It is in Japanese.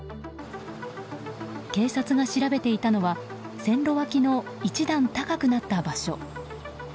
警察が調べていたのは線路脇の一段高くなった場所。